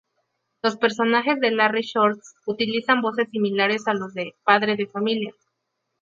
Los personajes de "Larry Shorts" utilizan voces similares a los de "Padre de familia".